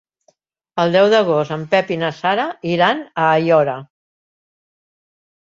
El deu d'agost en Pep i na Sara iran a Aiora.